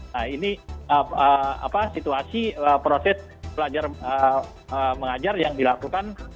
nah ini situasi proses mengajar yang dilakukan